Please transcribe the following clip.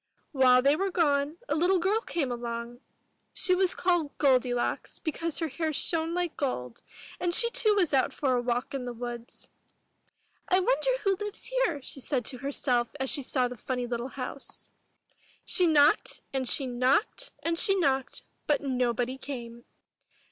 While they were gone, a little girl came along. She was called Goldilocks, because her hair shone like gold, and she too was out for a walk in the woods. 248 IN THE NURSERY I wonder who lives here/' she said to herself as she saw the funny Httle house. She knocked, and she knocked, and she knocked, but nobody came.